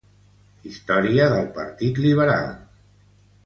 Història del Partit Liberal.